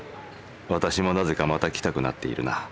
私もなぜかまた来たくなっているな。